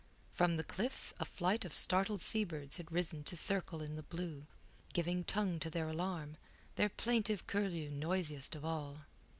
From the cliffs a flight of startled seabirds had risen to circle in the blue, giving tongue to their alarm, the plaintive curlew noisiest of all.